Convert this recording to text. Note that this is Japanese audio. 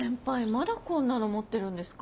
まだこんなの持ってるんですか？